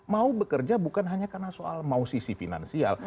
mau bekerja bukan hanya karena soal mau sisi finansial